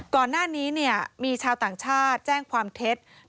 ก่อนหน้านี้มีชาวต่างชาติแจ้งความเท็จ